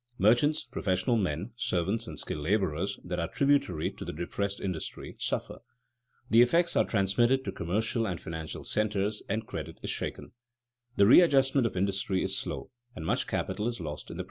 Merchants, professional men, servants, and skilled laborers that are tributary to the depressed industry, suffer. The effects are transmitted to commercial and financial centers and credit is shaken. The readjustment of industry is slow and much capital is lost in the process.